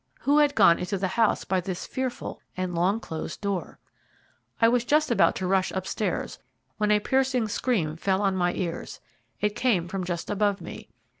Who had gone into the house by this fearful and long closed door? I was just about to rush upstairs, when a piercing scream fell on my ears; it came from just above me.